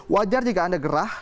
wajar jika anda gerah